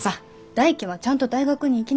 大喜はちゃんと大学に行きなさい。